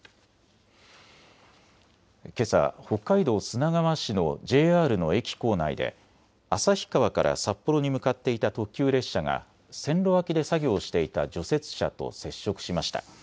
けさ北海道砂川市のＪＲの駅構内で旭川から札幌に向かっていた特急列車が線路脇で作業していた除雪車と接触しました。